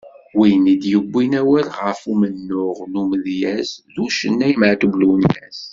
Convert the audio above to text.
Win i d-yewwin awal ɣef umennuɣ n umedyaz d ucennay Meɛtub Lwennas.